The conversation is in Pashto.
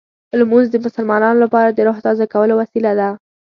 لمونځ د مسلمانانو لپاره د روح تازه کولو وسیله ده.